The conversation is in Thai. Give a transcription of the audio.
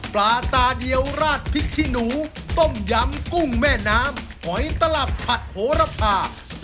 ปลาตาเดียวราดพริกขี้หนูต้มยำกุ้งแม่น้ำหอยตลับผัดโหระพา